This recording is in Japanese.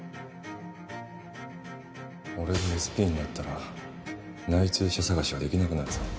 俺が ＳＰ になったら内通者捜しができなくなるぞ